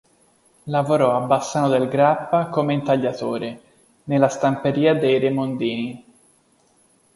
Lavorò a Bassano del Grappa come intagliatore, nella stamperia dei Remondini.